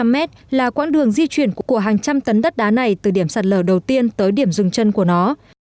ba trăm linh mét là quãng đường di chuyển của hàng trăm tấn đất đá này từ điểm sạt lở đầu tiên tới điểm rừng chân của nó